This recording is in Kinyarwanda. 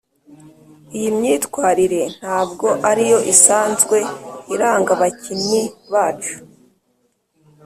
iyi myitwarire ntabwo ariyo isanzwe iranga abakinnyi bacu